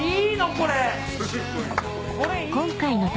これ！